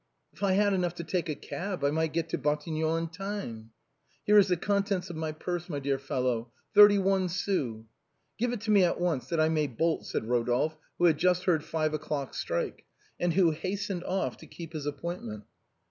" If I had enough to take a cab I might get to Batig nolles in time." " Here is the contents of my purse, my dear fellow, thirty one sous." " Give it me at once, that I may bolt," said Eodolphe, who had just heard five o'clock strike, and who hastened off to keep his appointment.